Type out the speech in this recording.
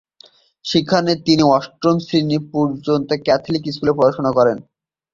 সেখানে তিনি অষ্টম শ্রেণী পর্যন্ত ক্যাথলিক স্কুলে পড়াশোনা করেন।